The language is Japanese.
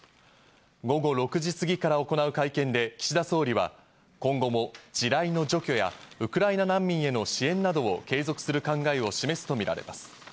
午後６時すぎから行う会見で岸田総理は今後も地雷の除去やウクライナ難民への支援などを継続する考えを示すとみられます。